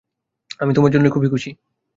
আমি তোমার জন্য খুবই খুশি।